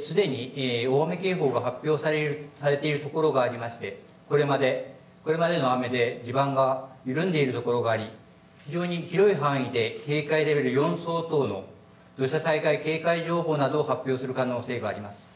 すでに大雨警報が発表されているところがありまして、これまでの雨で地盤が緩んでいるところがあり非常に広い範囲で警戒レベル４相当の土砂災害警戒情報などを発表する可能性があります。